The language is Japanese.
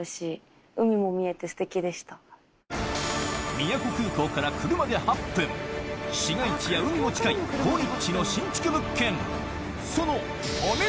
宮古空港から車で８分市街地や海も近い好立地の新築物件